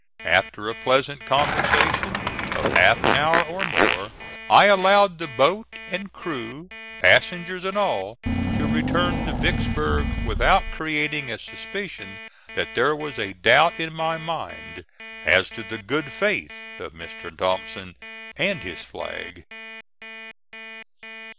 After a pleasant conversation of half an hour or more I allowed the boat and crew, passengers and all, to return to Vicksburg, without creating a suspicion that there was a doubt in my mind as to the good faith of Mr. Thompson and his flag.